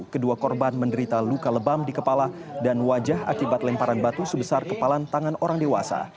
kedua korban menderita luka lebam di kepala dan wajah akibat lemparan batu sebesar kepalan tangan orang dewasa